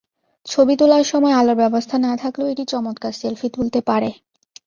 ছবি তোলার সময় আলোর ব্যবস্থা না থাকলেও এটি চমৎকার সেলফি তুলতে পারে।